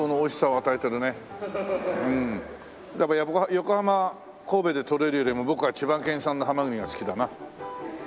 横浜神戸で獲れるよりも僕は千葉県産のハマグリが好きだな。